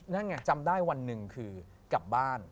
นั่นไงจำได้วันหนึ่งคือกลับบ้าน